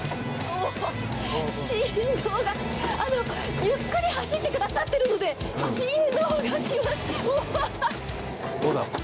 振動がゆっくり走ってくださってるので振動が来ます。